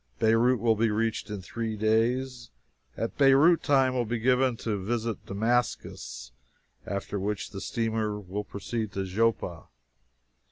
Beirut will be reached in three days. At Beirut time will be given to visit Damascus; after which the steamer will proceed to Joppa.